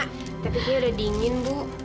tapi kayaknya udah dingin bu